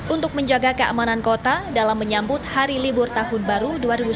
untuk menjaga keamanan kota dalam menyambut hari libur tahun baru dua ribu sembilan belas